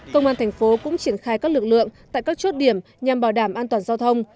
công an thành phố cũng triển khai các lực lượng tại các chốt điểm nhằm bảo đảm an toàn giao thông